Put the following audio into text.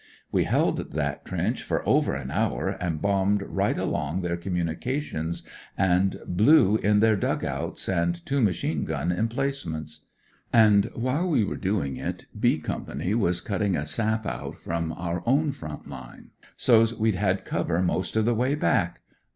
We held that trench for over an hour, and bombed right along their com munications and blew in their dug outs and two machine gim emplacements. And while we were doing it ' B ' Company was cutting a sap out from our own front line, ;■ I 1^ THE HOSPITAL MAH^ BAGS 187 had most of the way back.